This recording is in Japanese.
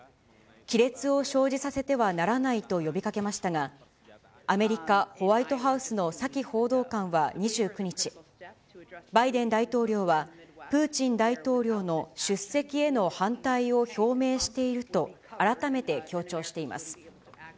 亀裂を生じさせてはならないと呼びかけましたが、アメリカ、ホワイトハウスのサキ報道官は２９日、バイデン大統領はプーチン大統領の出席への反対を表明していると改めて強調しています。